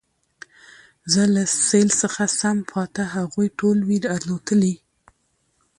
زه له سېل څخه سم پاته هغوی ټول وي الوتلي